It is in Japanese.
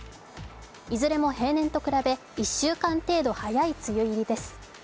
いずれも平年と比べ１週間程度早い梅雨入りです。